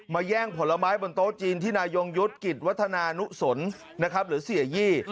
แย่งผลไม้บนโต๊ะจีนที่นายงยุทธ์กิจวัฒนานุสนนะครับหรือเสียยี่